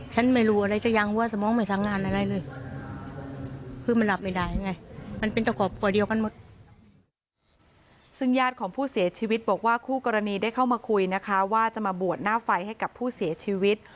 ซึ่งญาติของผู้เสียชีวิตบอกว่าคู่กรณีได้เข้ามาคุยนะคะว่าจะมาบวชหน้าไฟให้กับผู้เสียชีวิต